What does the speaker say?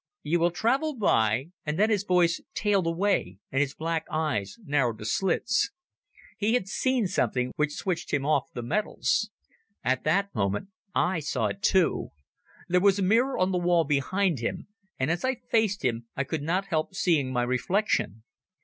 You will travel by ..." And then his voice tailed away and his black eyes narrowed to slits. He had seen something which switched him off the metals. At that moment I saw it too. There was a mirror on the wall behind him, and as I faced him I could not help seeing my reflection.